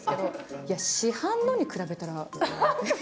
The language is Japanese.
いや、市販のに比べたら。